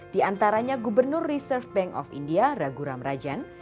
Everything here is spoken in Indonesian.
diantaranya gubernur reserve bank of india raghuram rajan